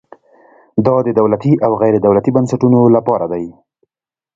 دا د دولتي او غیر دولتي بنسټونو لپاره دی.